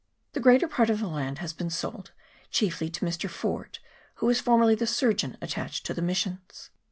The greater part of the land has been sold, chiefly to Mr. Ford, who was formerly the surgeon attached to the missions.